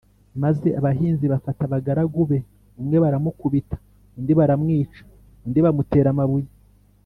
maze abahinzi bafata abagaragu be, umwe baramukubita undi baramwica, undi bamutera amabuye